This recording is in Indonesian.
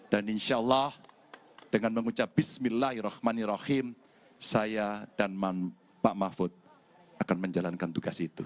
dan insya allah dengan mengucap bismillahirrahmanirrahim saya dan pak mahfud akan menjalankan tugas itu